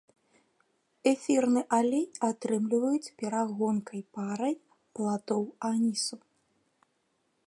Эфірны алей атрымліваюць перагонкай парай пладоў анісу.